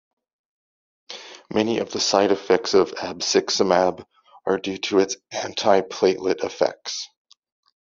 Many of the side effects of abciximab are due to its anti-platelet effects.